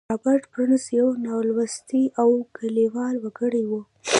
رابرټ برنس یو نالوستی او کلیوال وګړی و